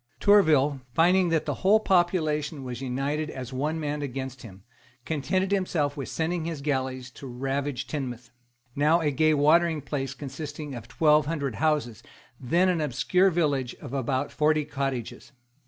Tourville, finding that the whole population was united as one man against him, contented himself with sending his galleys to ravage Teignmouth, now a gay watering place consisting of twelve hundred houses, then an obscure village of about forty cottages.